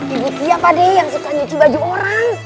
ibu tia pade yang suka nyuci baju orang